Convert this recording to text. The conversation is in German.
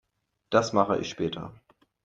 Das mache ich später.